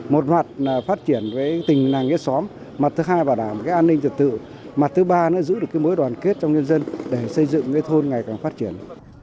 một loạt phát triển tình làng nghĩa xóm mặt thứ hai bảo đảm an ninh trật tự mặt thứ ba giữ được mối đoàn kết trong nhân dân để xây dựng thôn ngày càng phát triển